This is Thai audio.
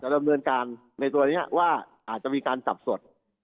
ดำเนินการในตัวนี้ว่าอาจจะมีการจับสด